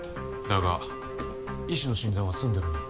だが医師の診断は済んでるんだ。